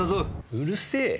うるせぇ。